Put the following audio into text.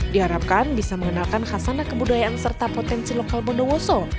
diharapkan bisa mengenalkan khasana kebudayaan serta potensi lokal bondowoso